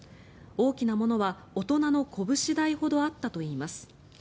大きなものは大人のこぶし大ほどあったといいます。